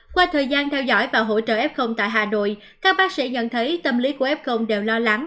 qua thời gian theo dõi và hỗ trợ f tại hà nội các bác sĩ nhận thấy tâm lý của f đều lo lắng